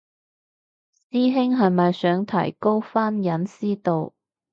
師兄係咪想提高返私隱度